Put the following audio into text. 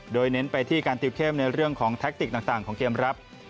โดยเน้นไปที่การติวเข้มในเรื่องของแท็กติกต่างของเกมรับ